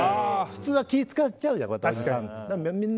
普通は気を使っちゃうじゃん。